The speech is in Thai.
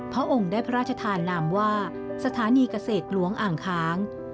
พระองค์ได้พระราชทานนามว่าสถานีเกษตรหลวงอ่างค้าง